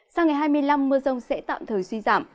sang ngày hai mươi năm mưa rông sẽ tạm thời suy giảm